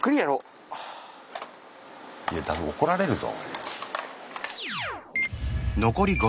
いや多分怒られるぞ。